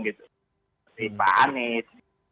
seperti pak anies